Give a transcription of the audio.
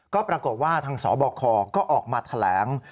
ก็ปรากฏว่าทางสบคก็ออกมาแถลง